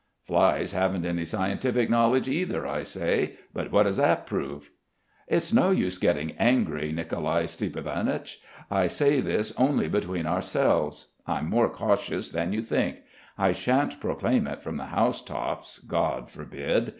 "Flies haven't any scientific knowledge either," I say; "but what does that prove?" "It's no use getting angry, Nicolai Stiepanich. I say this only between ourselves. I'm more cautious than you think. I shan't proclaim it from the housetops, God forbid!